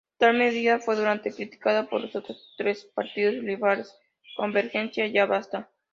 Tal medida fue duramente criticada por los otros tres partidos rivales Convergencia, ¡Ya Basta!